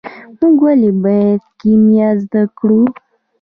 موږ ولې باید کیمیا زده کړو.